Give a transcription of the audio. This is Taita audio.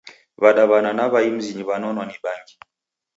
W'adaw'ana na w'ai mzinyi w'anonwa ni bangi.